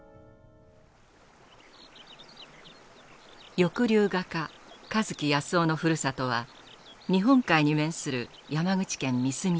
抑留画家香月泰男のふるさとは日本海に面する山口県三隅町です。